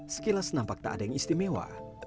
sekilas nampak tak ada yang istimewa